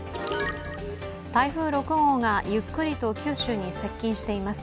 台風６号がゆっくりと九州に接近しています。